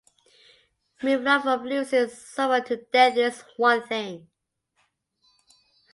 Moving on from losing someone to death is one thing.